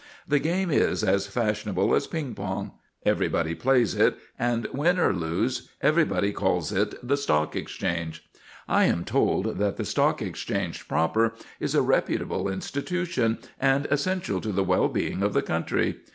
The game is as fashionable as ping pong: everybody plays it, and, win or lose, everybody calls it the Stock Exchange. I am told that the Stock Exchange proper is a reputable institution and essential to the well being of the country.